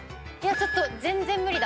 ちょっと全然無理だ。